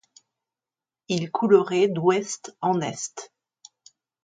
Il coulerait d'ouest en est.